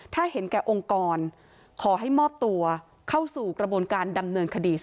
ถ้าเห็นแก่องค์กรขอให้มอบตัวเข้าสู่กระบวนการดำเนินคดี